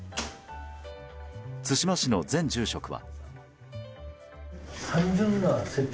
対馬市の前住職は。